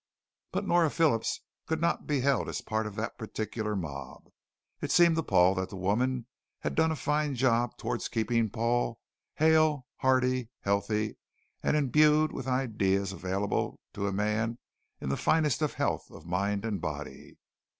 But Nora Phillips could not be held as part of that particular mob. It seemed to Paul that the woman had done a fine job towards keeping Paul hale, hearty, healthy, and imbued with ideas available only to a man in the finest of health of mind and body.